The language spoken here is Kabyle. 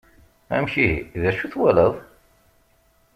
Amek ihi, d acu twalaḍ?